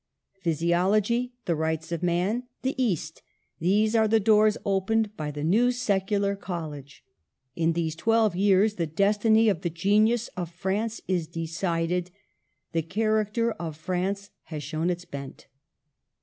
Physiology, the rights of man, the East, — these are the doors opened by the new secular college. In these twelve years the destiny of the genius of France is decided, the character of France has shown its bent.